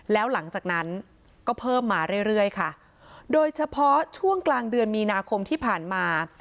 แล้วหลังจากนั้นก็เพิ่มมาเรื่อยเรื่อยค่ะโดยเฉพาะช่วงกลางเดือนมีนาคมที่ผ่านมา